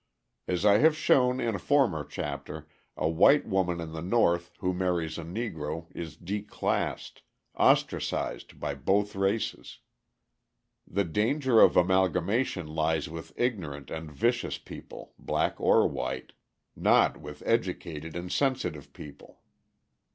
As I have shown in a former chapter, a white woman in the North who marries a Negro is declassed ostracised by both races. The danger of amalgamation lies with ignorant and vicious people, black or white, not with educated and sensitive people.